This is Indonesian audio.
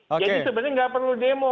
jadi sebenarnya nggak perlu demo